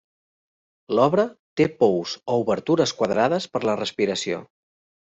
L'obra té pous o obertures quadrades per la respiració.